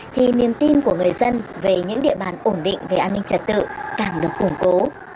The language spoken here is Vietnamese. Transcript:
thì niềm tin của người dân về những địa bàn ổn định về an ninh trật tự càng được củng cố